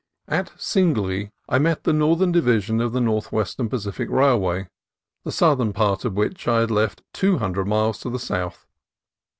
At Singley I met the northern division of the Northwestern Pacific Railway, the southern part of which I had left two hundred miles to the south.